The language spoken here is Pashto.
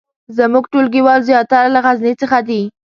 زمونږ ټولګیوال زیاتره له غزني څخه دي